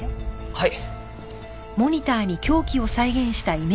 はい。